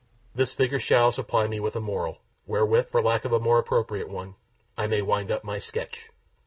This figure shall supply me with a moral, wherewith, for lack of a more appropriate one, I may wind up my sketch.